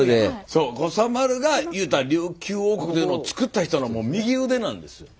そう護佐丸が言うたら琉球王国というのをつくった人の右腕なんですよ。